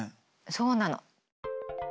そうなの。